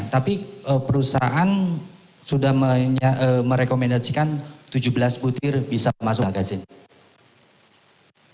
tapi perusahaan sudah merekomendasikan tujuh belas butir bisa masuk ke sini